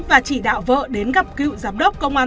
và chỉ đạo vợ đến gặp cựu giám đốc công an